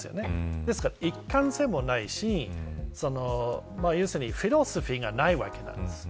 ですから、一貫性もないしフィロソフィーがないわけなんです。